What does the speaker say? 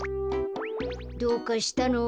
どうかしたの？